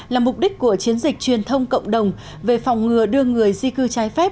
là mục đích của chiến dịch truyền thông cộng đồng về phòng ngừa đưa người di cư trái phép